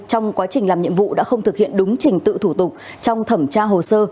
trong quá trình làm nhiệm vụ đã không thực hiện đúng trình tự thủ tục trong thẩm tra hồ sơ